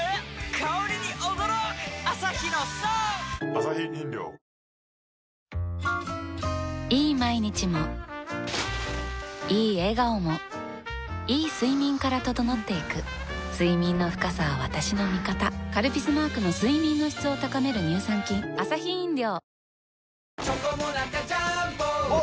香りに驚くアサヒの「颯」いい毎日もいい笑顔もいい睡眠から整っていく睡眠の深さは私の味方「カルピス」マークの睡眠の質を高める乳酸菌チョコモナカジャーンボを！